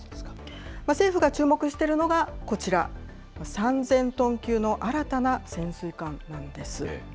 政府が注目してるのがこちら、３０００トン級の新たな潜水艦なんです。